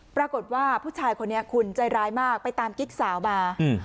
ปรากฏว่าผู้ชายคนนี้คุณใจร้ายมากไปตามกิ๊กสาวมา